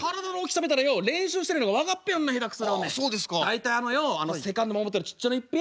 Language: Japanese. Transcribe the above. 「大体あのよセカンド守ってるちっちゃなのいっぺ」。